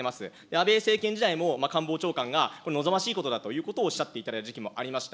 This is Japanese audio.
安倍政権時代も官房長官が望ましいことだというふうにおっしゃっていただいた時期もありました。